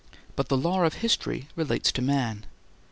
But the law of history relates to man.